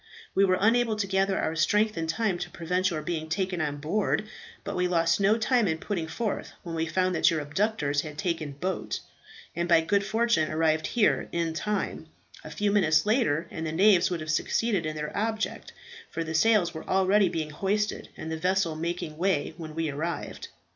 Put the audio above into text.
We were unable to gather our strength in time to prevent your being taken on board, but we lost no time in putting forth when we found that your abductors had taken boat, and by good fortune arrived here in time; a few minutes later, and the knaves would have succeeded in their object, for the sails were already being hoisted, and the vessel making way, when we arrived.